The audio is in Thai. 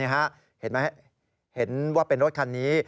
เห็นไหมเห็นว่าเป็นรถคันนี้